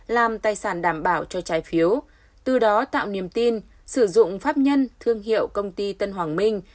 làm tài sản đảm bảo cho trái phiếu từ đó tạo niềm tin sử dụng pháp nhân thương hiệu công ty tân hoàng minh